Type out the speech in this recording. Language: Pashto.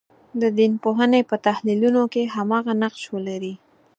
د دین پوهنې په تحلیلونو کې هماغه نقش ولري.